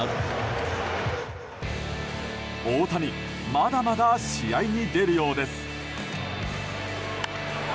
まだまだ試合に出るようです。